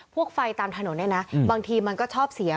ไฟตามถนนเนี่ยนะบางทีมันก็ชอบเสีย